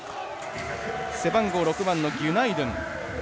背番号６番のギュナイドゥン。